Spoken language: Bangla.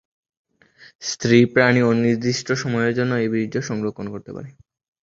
স্ত্রী প্রাণী অনির্দিষ্ট সময়ের জন্যে এই বীর্য সংরক্ষণ করতে পারে।